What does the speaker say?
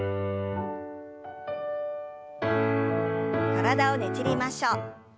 体をねじりましょう。